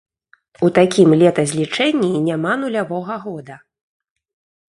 У такім летазлічэнні няма нулявога года.